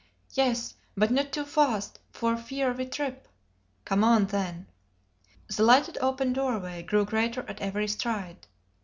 "Yes, but not too fast, for fear we trip.' "Come on, then!" The lighted open doorway grew greater at every stride.